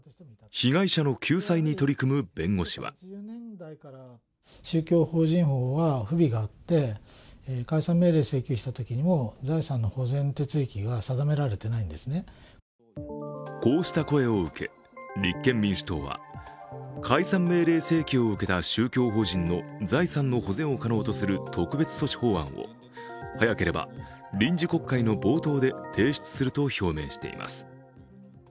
被害者の救済に取り組む弁護士はこうした声を受け、立憲民主党は解散命令請求を受けた宗教法人の財産の保全を可能とする特別措置法案を早ければ臨時国会の冒頭で提出すると表明しています。